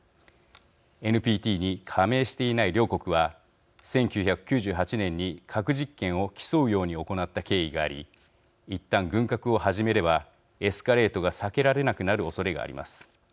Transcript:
ＮＰＴに加盟していない両国は１９９８年に、核実験を競うように行った経緯がありいったん軍拡を始めればエスカレートが避けられなくなるおそれがあります。